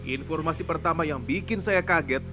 informasi pertama yang bikin saya kaget